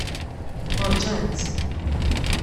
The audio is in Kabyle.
Uṛǧant.